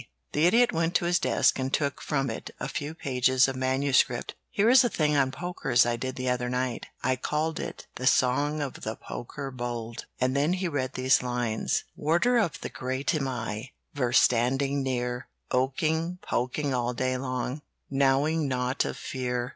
The Idiot went to his desk and took from it a few pages of manuscript. "Here is a thing on pokers I did the other night. I called it 'The Song of the Poker Bold.'" And then he read these lines: "Warder of the grate am I, Ever standing near; Poking, poking all day long, Knowing naught of fear.